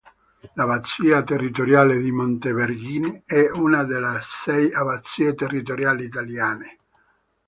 L'abbazia territoriale di Montevergine è una della sei abbazie territoriali italiane.